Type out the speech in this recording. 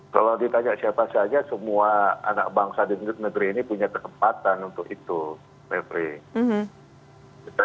kalau ditanya siapa saja semua anak bangsa di negeri ini punya kesempatan untuk itu repri